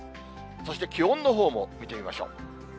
そして、気温のほうも見てみましょう。